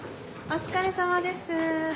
お疲れさまです。